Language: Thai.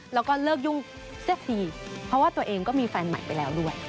แล้วก็เลิกยุ่งเสียทีเพราะว่าตัวเองก็มีแฟนใหม่ไปแล้วด้วย